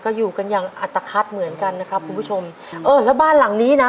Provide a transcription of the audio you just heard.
ก็อยู่กันอย่างอัตภัทเหมือนกันนะครับคุณผู้ชมเออแล้วบ้านหลังนี้นะ